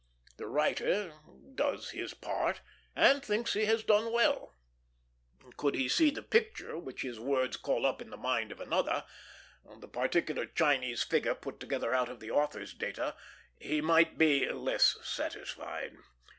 The writer does his part, and thinks he has done well. Could he see the picture which his words call up in the mind of another, the particular Chinese figure put together out of the author's data, he might be less satisfied.